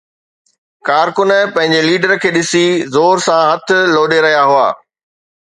ڪارڪن پنهنجي ليڊر کي ڏسي زور سان هٿ لوڏي رهيا هئا